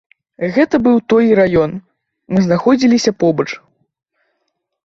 Гэта быў той раён, мы знаходзіліся побач.